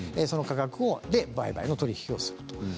その価格で売買の取り引きをする。